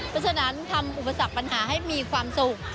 เพราะฉะนั้นทำอุปสรรคปัญหาให้มีความสุข